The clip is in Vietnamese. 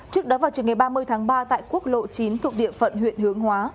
trước đó vào trường ngày ba mươi tháng ba tại quốc lộ chín thuộc địa phận huyện hướng hóa